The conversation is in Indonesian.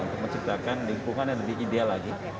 untuk menciptakan lingkungan yang lebih ideal lagi